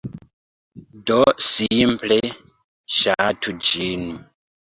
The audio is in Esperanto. Do simple, ŝatu ĝin.